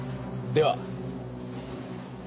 では。